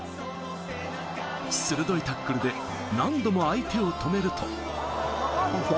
鋭いタックルで何度も相手を止めると。